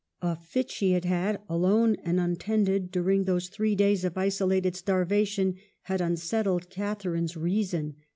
A fit she had had alone and untended during those three days of isolated starvation had unset tled Catharine's reason.